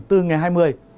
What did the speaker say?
từ ngày hai mươi